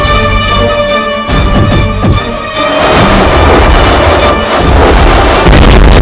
untuk mengalahkan kian santa